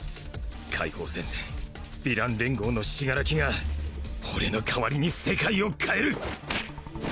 解放戦線ヴィラン連合の死柄木が俺のかわりに世界を変える